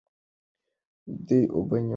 دوی اوبه نیولې وې.